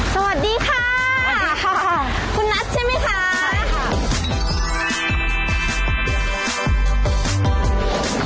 สวัสดีค่ะคุณนัทใช่ไหมคะอ๋อสวัสดีค่ะ